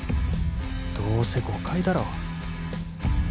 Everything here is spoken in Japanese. どうせ誤解だろ